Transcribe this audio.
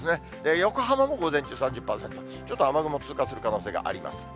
横浜も午前中３０％、ちょっと雨雲通過する可能性があります。